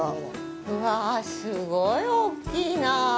うわあ、すごい大きいなあ。